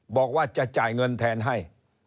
บอกว่าจะจ่ายเงินแทนให้